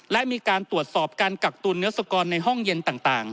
และมีการตรวจสอบการกักตุนเนื้อสกรในห้องเย็นต่าง